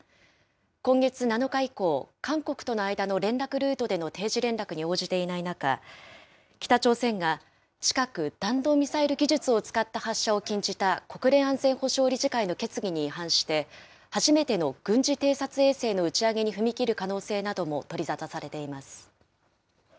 今月７日以降、韓国との間の連絡ルートでの定時連絡に応じていない中、北朝鮮が近く、弾道ミサイル技術を使った発射を禁じた国連安全保障理事会の決議に違反して、初めての軍事偵察衛星の打ち上げに踏み切る可能性なども取り沙汰されています。